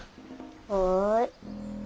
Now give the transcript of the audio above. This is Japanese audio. はい。